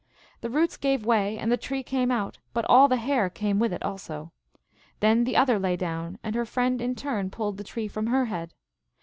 The roots gave way and the tree came out, but all the hair came with it also. Then the other lay down, and her friend in turn pulled the tree from her head.